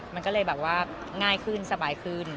มันก็เลยแบบว่าง่ายขึ้นสบายขึ้น